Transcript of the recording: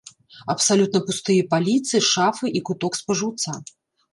Абсалютна пустыя паліцы шафы і куток спажыўца.